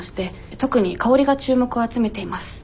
特に香りが注目を集めています。